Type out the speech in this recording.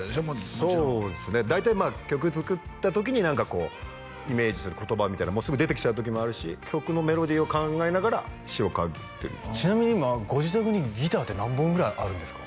もちろんそうですね大体曲作った時に何かこうイメージする言葉みたいなのすぐ出てきちゃう時もあるし曲のメロディーを考えながら詞を書いてちなみに今ご自宅にギターって何本ぐらいあるんですか？